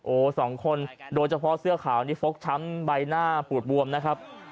สองคนโดยเฉพาะเสื้อขาวนี่ฟกช้ำใบหน้าปูดบวมนะครับ